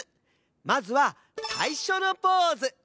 まずはさいしょのポーズ。